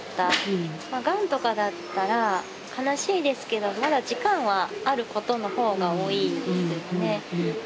まあガンとかだったら悲しいですけどまだ時間はあることのほうが多いんですよね。